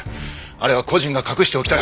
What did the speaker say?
あれは故人が隠しておきたい。